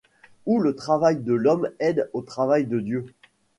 Où le travail de l'homme aide au travail de Dieu.